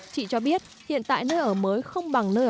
chị cho biết hiện tại nơi ở mới không có nơi sản xuất